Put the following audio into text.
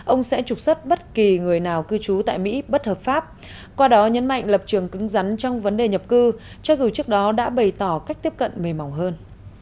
ông sẽ trục xuất bất kỳ người nào cư trú tại mỹ bất hợp pháp qua đó nhấn mạnh lập trường cứng rắn trong vấn đề nhập cư cho dù trước đó đã bày tỏ cách tiếp cận mềm mỏng hơn